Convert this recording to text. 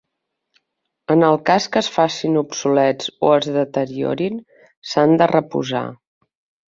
En el cas que es facin obsolets o es deteriorin s'han de reposar.